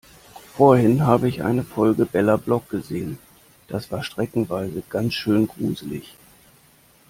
Vorhin habe ich eine Folge Bella Block gesehen, das war streckenweise ganz schön gruselig.